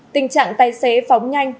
tình trạng tài xế phóng nhanh